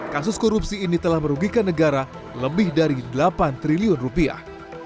kasus korupsi ini telah merugikan negara lebih dari delapan triliun rupiah